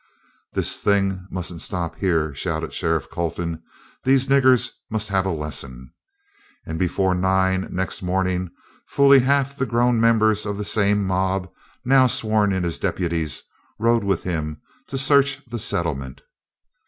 "The thing mustn't stop here," shouted Sheriff Colton; "these niggers must have a lesson." And before nine next morning fully half the grown members of the same mob, now sworn in as deputies, rode with him to search the settlement.